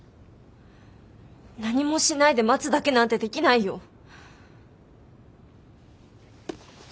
何もしないで待つだけなんてできないよ。